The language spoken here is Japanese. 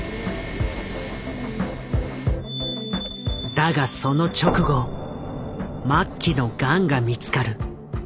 だがその直後末期のガンが見つかる。